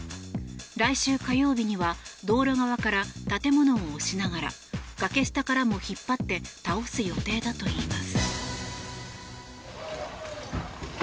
来週火曜日には道路側から建物を押しながら崖下からも引っ張って倒す予定だといいます。